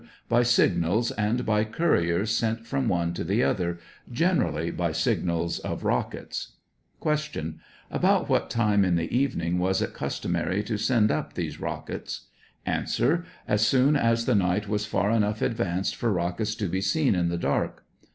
By signals and by couriers sent from one to the other; generally by signals of rockets. Q. About what time in the evening was it customary to send up these rockets ? A. As soon as the night was far enough advanced for rockets to be seen in the dark.